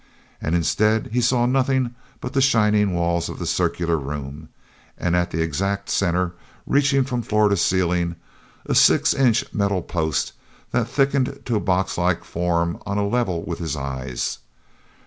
And instead he saw nothing but the shining walls of the circular room and at the exact center, reaching from floor to ceiling, a six inch metal post that thickened to a boxlike form on a level with his eyes.